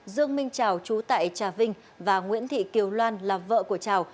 dương minh trào trú tại trà vinh và nguyễn thị kiều loan là vợ của trào